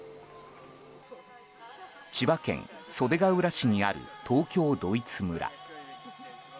千葉県袖ケ浦市にある東京ドイツ村。